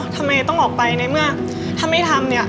ทำไมต้องออกไปในเมื่อถ้าไม่ทำเนี่ย